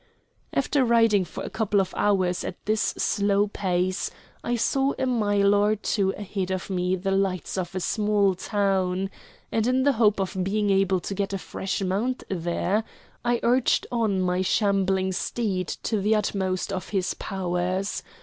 After riding for a couple of hours at this slow pace I saw a mile or two ahead of me the lights of a small town, and, in the hope of being able to get a fresh mount there, I urged on my shambling steed to the utmost of his powers.